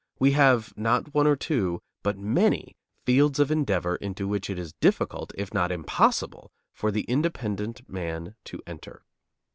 We have, not one or two, but many, fields of endeavor into which it is difficult, if not impossible, for the independent man to enter.